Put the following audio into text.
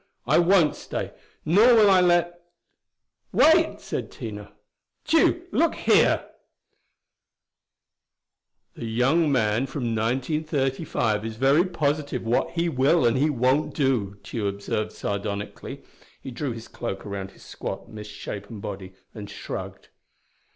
I won't stay: nor will I let " "Wait!" said Tina. "Tugh, look here " "The young man from 1935 is very positive what he will and what he won't," Tugh observed sardonically. He drew his cloak around his squat misshapen body, and shrugged.